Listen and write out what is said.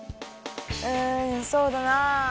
うんそうだな。